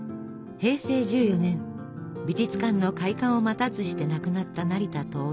平成１４年美術館の開館を待たずして亡くなった成田亨。